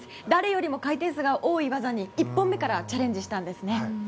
誰よりも回転数が多い技に１本目からチャレンジしたんですね。